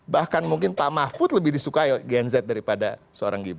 bahkan mungkin pak mahfud lebih disukai gen z daripada seorang gibran